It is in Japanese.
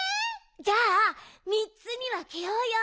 じゃみっつにわけようよ。